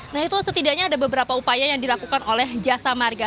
nah itu setidaknya ada beberapa upaya yang dilakukan oleh jasa marga